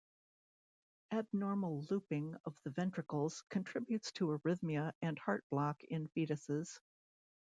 Abnormal looping of the ventricles contributes to arrhythmia and heart block in fetuses.